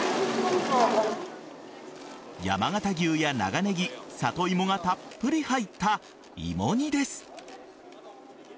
山形牛や長ネギ、里芋がたっぷり入った芋煮です。